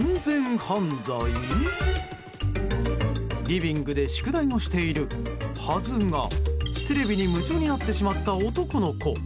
リビングで宿題をしているはずがテレビに夢中になってしまった男の子。